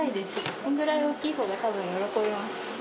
こんぐらい大きいほうが、たぶん喜びます。